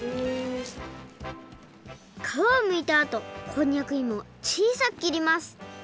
かわをむいたあとこんにゃくいもをちいさくきります